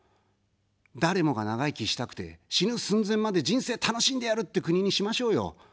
誰もが長生きしたくて、死ぬ寸前まで人生楽しんでやるって国にしましょうよ。